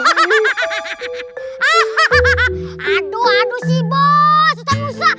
aduh aduh si bos